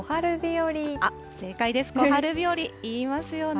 正解です、小春日和、言いますよね。